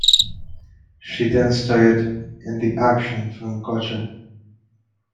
She then starred in the action film Gotcha!